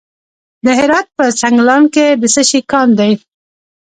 د هرات په سنګلان کې د څه شي کان دی؟